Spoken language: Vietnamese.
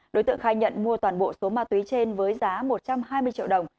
đối tượng khai nhận mua toàn bộ số ma túy trên với giá một trăm hai mươi triệu đồng